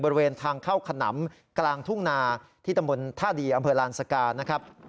บริเวณทางเข้าขนำกลางทุ่งนาที่ตำบลท่าดีอำเภอลานสกานะครับ